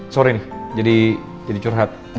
sorry nih jadi curhat